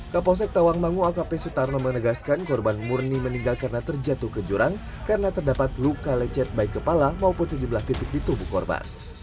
kapolsek tawangmangu akp sutarno menegaskan korban murni meninggal karena terjatuh ke jurang karena terdapat luka lecet baik kepala maupun sejumlah titik di tubuh korban